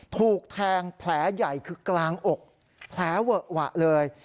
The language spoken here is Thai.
ถูกแทงแผลใหญ่คือกลางอกแผลเวอะหวะเลย